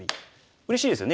うれしいですよね